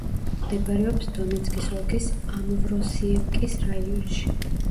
მდებარეობს დონეცკის ოლქის ამვროსიევკის რაიონში.